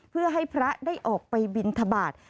เพื่อให้พระได้ออกไปบินทบาท